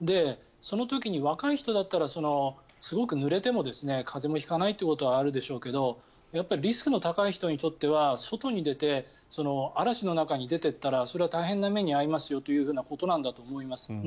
その時に若い人だったらすごくぬれても風邪も引かないということはあるでしょうけどやっぱりリスクの高い人にとっては外に出て嵐の中に出ていったらそれは大変な目に遭いますよということなんだと思います。